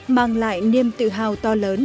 mang lại niềm tự hào to lớn